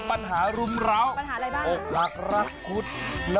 ตลอดข่าวสั้นจอดเฮยกตำบล